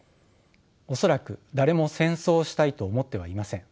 恐らく誰も戦争をしたいと思ってはいません。